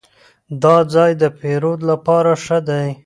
دا ځای د پیرود لپاره ښه دی.